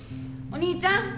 お兄ちゃん。